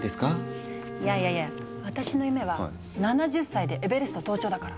いやいやいや私の夢は７０歳でエベレスト登頂だから。